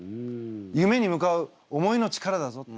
夢に向かう思いの力だぞって。